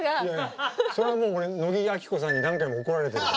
それはもう俺野木亜紀子さんに何回も怒られてる。